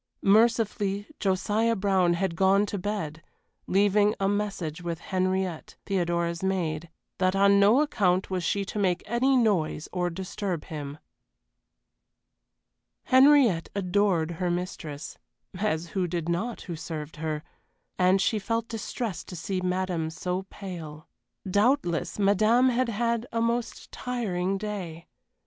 Mercifully Josiah Brown, had gone to bed, leaving a message with Henriette, Theodora's maid, that on no account was she to make any noise or disturb him. Henriette adored her mistress as who did not who served her? and she felt distressed to see madame so pale. Doubtless madame had had a most tiring day.